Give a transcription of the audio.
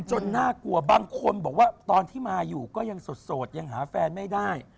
น่ากลัวบางคนบอกว่าตอนที่มาอยู่ก็ยังโสดยังหาแฟนไม่ได้